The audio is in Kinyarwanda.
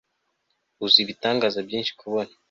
huzuye ibitangaza byinshi kubona